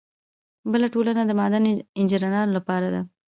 بله ټولنه د معدن انجینرانو لپاره ده.